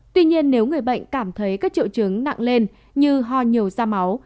tuy nhiên nếu người bệnh cảm thấy các triệu chứng nặng lên như ho nhiều da máu